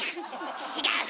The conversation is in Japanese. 違う。